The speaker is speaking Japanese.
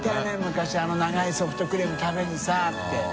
昔あの長いソフトクリーム食べにさって。